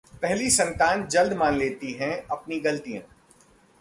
पहली संतान जल्दी मान लेते हैं अपनी गलतियां